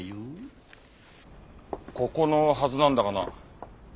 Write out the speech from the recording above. ここのはずなんだがな。